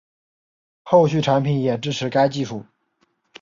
后续产品也支持该技术